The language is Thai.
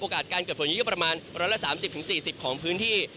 โอกาสการเกิดฝนยี่สิบประมาณร้อยละสามสิบถึงสี่สิบของพื้นที่